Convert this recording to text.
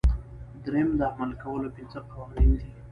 دریم د عمل کولو پنځه قوانین دي.